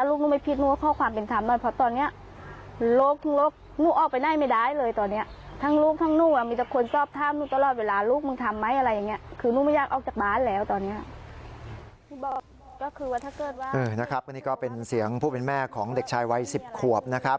อันนี้ก็เป็นเสียงผู้เป็นแม่ของเด็กชายวัย๑๐ขวบนะครับ